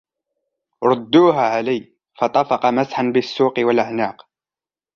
ردوها علي فطفق مسحا بالسوق والأعناق